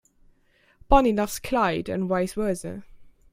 Bonnie loves Clyde and vice versa.